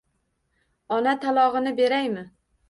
Ona talog`ini beraymi